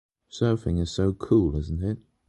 Surfing is so cool, isn't it?